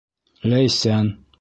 Ләйсән...